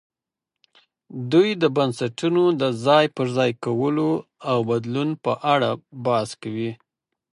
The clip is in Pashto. دوی د بنسټونو د ځای پر ځای کولو او بدلون په اړه بحث کوي.